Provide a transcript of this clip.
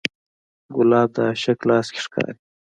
ګلاب د عاشق لاس کې ښکاري.